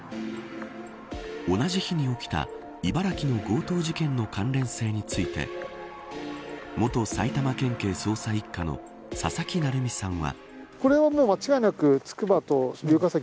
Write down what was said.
同じ日に起きた茨城の強盗事件の関連性について元埼玉県警捜査一課の佐々木成三さんは。